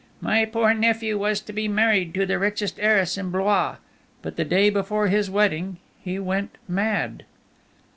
"My poor nephew was to be married to the richest heiress in Blois; but the day before his wedding he went mad."